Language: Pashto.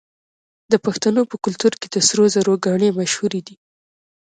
د پښتنو په کلتور کې د سرو زرو ګاڼې مشهورې دي.